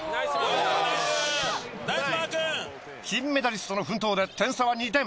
金メダリストの奮闘で点差は２点。